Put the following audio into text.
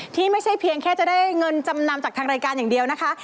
ที่ไม่ใช่เพียงแค่จะได้เงินจำนำจากทางรายการอย่างเดียวนะคะ